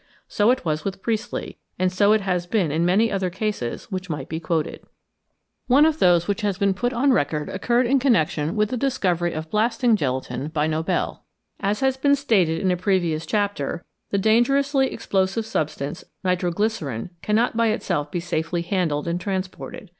So it was with Priestley, and so it has been in many other cases which might be quoted. One of those which has been put on record occurred in connection with the discovery of blasting gelatine by Nobel. As has been stated in a previous chapter, the dangerously explosive substance nitro glycerine cannot by itself be safely handled and transported.